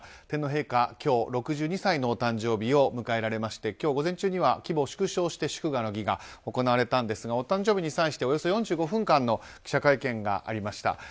天皇陛下、今日６２歳のお誕生日を迎えられまして今日午前中には規模を縮小して祝賀の儀が行われたんですがお誕生日に際しておよそ４５分間の記者会見がありました。